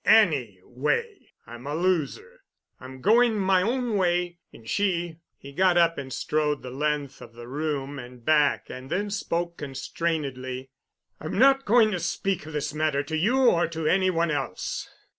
Any way, I'm a loser. I'm going my own way and she——" He got up and strode the length of the room and back, and then spoke constrainedly: "I'm not going to speak of this matter to you or to any one else."